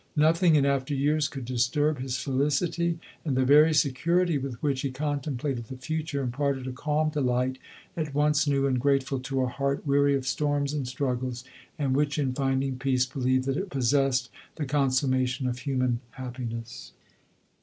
Nothing in after years could disturb his felicity, and the very security with which he contemplated the future, imparted a calm delight, at once new and grate ful to a heart, weary of storms and struggles, and which, in finding peace, believed that it pos sessed the consummation of human happiness.